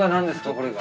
これが。